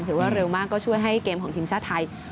ถือว่าเร็วมากก็ช่วยให้เกมของทีมชาติไทย